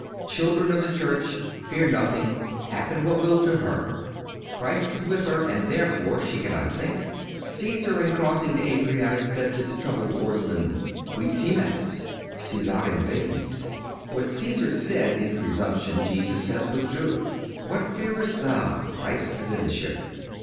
Children of the Church, fear nothing, happen what will to her. Christ is with her and therefore she cannot sink. Cæsar, in crossing the Adriatic, said to the troubled oarsman: "Quid times? Cæsarem vehis." What Cæsar said in presumption Jesus says with truth: What fearest thou? Christ is in the ship.